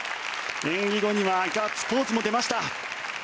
演技後にはガッツポーズも出ました。